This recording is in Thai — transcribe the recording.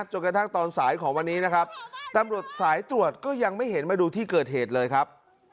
จนกระทั่งตอนสายของวันนี้นะครับตำรวจสายตรวจก็ยังไม่เห็นมาดูที่เกิดเหตุเลยครับ